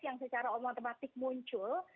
yang secara matematik muncul